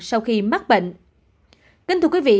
sau khi mắc bệnh